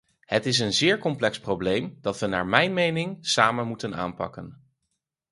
Het is een zeer complex probleem dat we naar mijn mening samen moeten aanpakken.